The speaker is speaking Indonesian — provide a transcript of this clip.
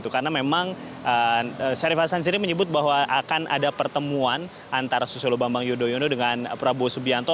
karena memang syarif hasan sendiri menyebut bahwa akan ada pertemuan antara susilo bambang yudhoyono dengan prabowo subianto